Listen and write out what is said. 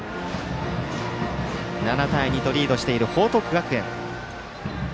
７対２とリードしている報徳学園。